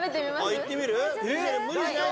いってみる？